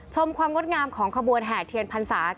ชมความวดงามของขบวนแห่งเทียนภาษา